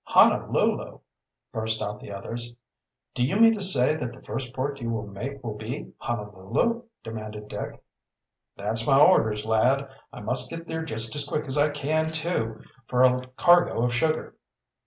"Honolulu!" burst out the others. "Do you mean to say that the first port you will make will be Honolulu?" demanded Dick. "That's my orders, lad. I must get there just as quick as I can, too, for a cargo of sugar."